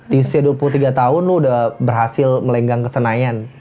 di usia dua puluh tiga tahun lo udah berhasil melenggang kesenaian